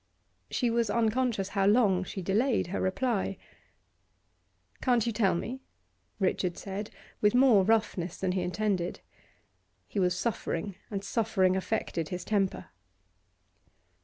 She was unconscious how long she delayed her reply. 'Can't you tell me?' Richard said, with more roughness than he intended. He was suffering, and suffering affected his temper.